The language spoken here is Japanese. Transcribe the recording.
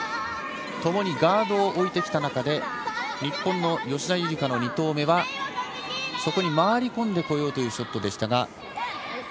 ともにガードを置いてきた中で日本の吉田夕梨花の２投目は、回り込んでこようというショットでしたが。